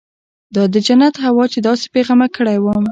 دا د جنت هوا چې داسې بې غمه کړى وم.